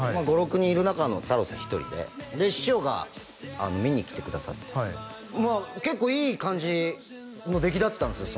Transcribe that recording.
５６人いる中の太郎さん１人でで師匠が見に来てくださってはい結構いい感じの出来だったんですよ